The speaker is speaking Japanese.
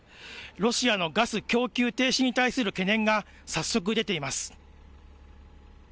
ロシアのガス供給停止に対する懸念が早速、出ています。